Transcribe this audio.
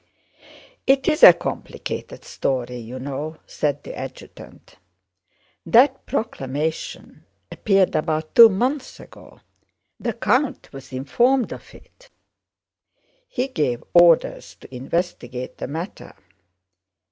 "It's a complicated story, you know," said the adjutant. "That proclamation appeared about two months ago. The count was informed of it. He gave orders to investigate the matter.